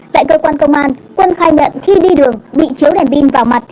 tại cơ quan công an quân khai nhận khi đi đường bị chiếu đèn pin vào mặt